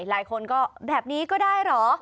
หลายคนก็แบบนี้ก็ได้เหรอ